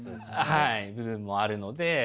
はい部分もあるので。